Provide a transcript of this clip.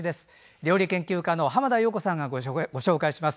料理研究家の浜田陽子さんがご紹介します。